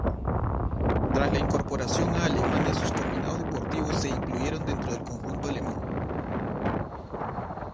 Tras la incorporación a Alemania, sus combinados deportivos se incluyeron dentro del conjunto alemán.